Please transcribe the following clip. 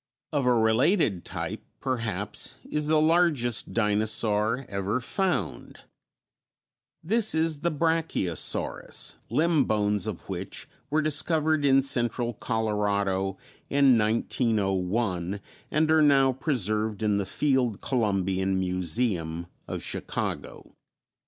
Of a related type, perhaps, is the largest dinosaur ever found; this is the Brachiosaurus, limb bones of which were discovered in central Colorado in 1901 and are now preserved in the Field Columbian Museum of Chicago.